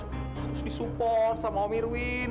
harus di support sama om irwin